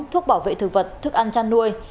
thuốc bảo vệ thực vật thức ăn chăn nuôi